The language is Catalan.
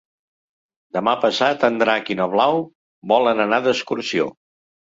Demà passat en Drac i na Blau volen anar d'excursió.